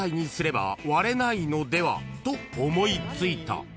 ［と思い付いた］